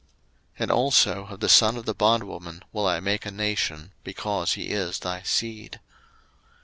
01:021:013 And also of the son of the bondwoman will I make a nation, because he is thy seed.